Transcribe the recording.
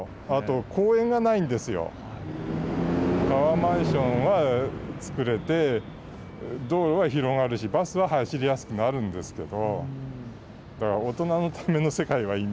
タワーマンションは作れて道路は広がるしバスは走りやすくなるんですけど。